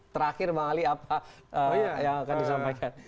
terakhir bang ali apa yang akan disampaikan